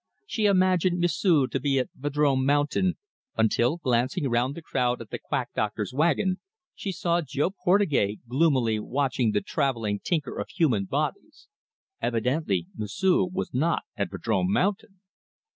She imagined M'sieu' to be at Vadrome Mountain, until, glancing round the crowd at the quack doctor's wagon, she saw Jo Portugais gloomily watching the travelling tinker of human bodies. Evidently M'sieu' was not at Vadrome Mountain.